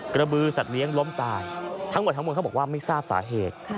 กระบือสัตว์เลี้ยงล้มตายทั้งหมดทั้งมวลเขาบอกว่าไม่ทราบสาเหตุ